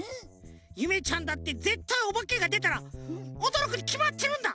ゆめちゃんだってぜったいおばけがでたらおどろくにきまってるんだ！